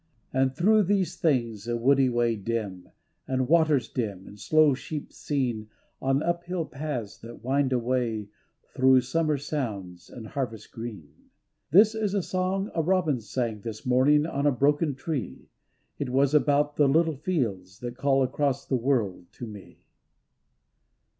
And through these things a wood way dim, And waters dim, and slow sheep seen On uphill paths that wind away Through summer sounds and harvest green. This is a song a robin sang This morning on a broken tree, It was about the little fields That call across the world to me.